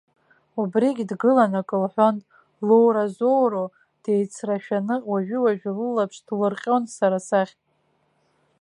Убригь дгылан акы лҳәон, лоуразоуроу деицрашәаны, уажәы-уажәы лылаԥш ҭлырҟьон сара сахь.